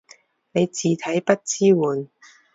你字體不支援